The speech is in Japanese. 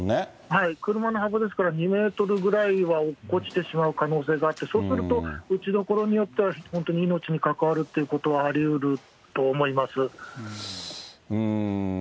車の幅ですから、２メートルぐらいは落っこちてしまう可能性があって、そうすると、打ちどころによっては本当に命に関わるということはありうると思いうーん。